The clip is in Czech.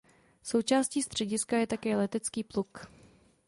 Součástí střediska je také letecký pluk.